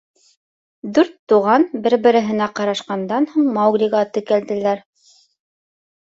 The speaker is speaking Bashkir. Дүрт туған бер-береһенә ҡарашҡандан һуң Мауглиға текәлделәр.